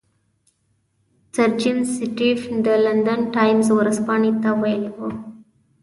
سر جیمز سټیفن د لندن ټایمز ورځپاڼې ته ویلي وو.